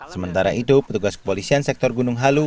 sementara itu petugas kepolisian sektor gunung halu